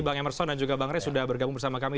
bang emerson dan juga bang rey sudah bergabung bersama kami